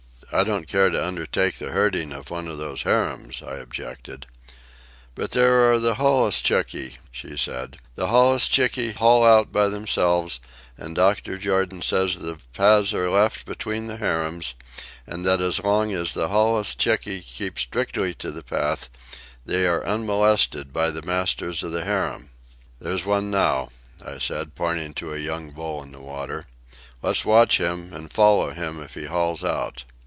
"I don't care to undertake the herding of one of those harems," I objected. "But there are the holluschickie," she said. "The holluschickie haul out by themselves, and Dr. Jordan says that paths are left between the harems, and that as long as the holluschickie keep strictly to the path they are unmolested by the masters of the harem." "There's one now," I said, pointing to a young bull in the water. "Let's watch him, and follow him if he hauls out."